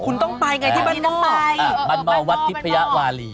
คุณต้องไปไงที่บรรมอร์บรรมอร์วัดทิพยาวาลี